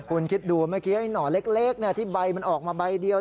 คุณคิดดูเมื่อกี้ไอ้หน่อเล็กที่ใบมันออกมาใบเดียว